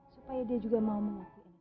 supaya dia juga mau mengakuin